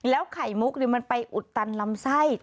แล้วไขมุกนี่มันไปอุดตันลำไส้